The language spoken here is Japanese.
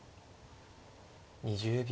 ２０秒。